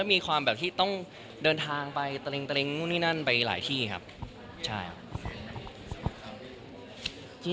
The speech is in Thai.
มีความแบบที่ต้องเดินทางไปตะเล็งนู่นนี่นั่นไปหลายที่ครับใช่ครับ